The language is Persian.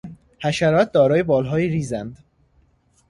حشرات دارای بالهای ریزنده